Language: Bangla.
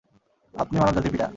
আপনি মানব জাতির পিতা।